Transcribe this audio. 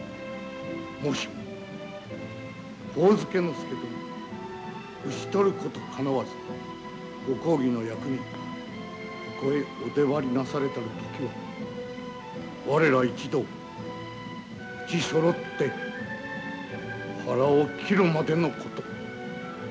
もしも上野介殿召し捕ることかなわずご公儀の役人ここへお出張りなされたる時は我ら一同うちそろって腹を切るまでのこと。